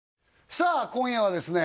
さあ今夜はですね